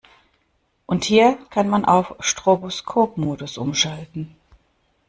Und hier kann man auf Stroboskopmodus umschalten.